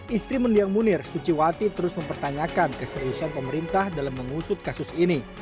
istri mendiang munir suciwati terus mempertanyakan keseriusan pemerintah dalam mengusut kasus ini